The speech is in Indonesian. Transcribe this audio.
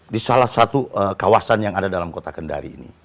di salah satu kawasan yang ada dalam kota kendari ini